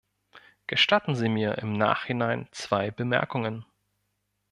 Gestatten Sie mir im Nachhinein zwei Bemerkungen.